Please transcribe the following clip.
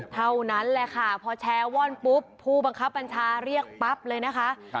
เท่านั้นแหละค่ะพอแชร์ว่อนปุ๊บผู้บังคับบัญชาเรียกปั๊บเลยนะคะ